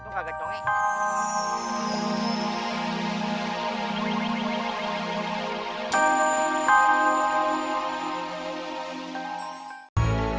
maksud gue enggak ada dong